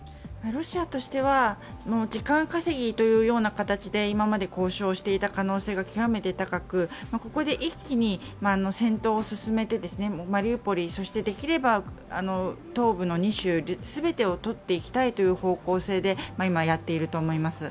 ロシアとしては時間稼ぎという形で今まで交渉していた可能性が極めて高く、ここで一気に戦闘を進めてマリウポリ、そしてできれば東部の２州全てをとっていきたいという方向性で今、やっていると思います。